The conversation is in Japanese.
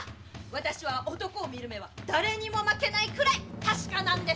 私は男を見る目は誰にも負けないくらい確かです！